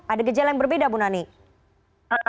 ada gejala yang berbeda bu nani